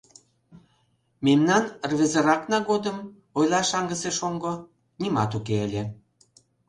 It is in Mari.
Мемнан рвезыракна годым, — ойла шаҥгысе шоҥго, — нимат уке ыле.